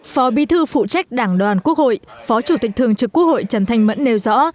phó bí thư phụ trách đảng đoàn quốc hội phó chủ tịch thường trực quốc hội trần thanh mẫn nêu rõ